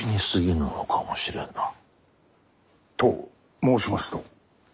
と申しますと？